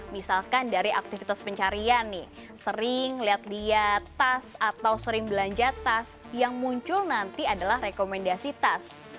misalkan dari aktivitas pencarian nih sering lihat lihat tas atau sering belanja tas yang muncul nanti adalah rekomendasi tas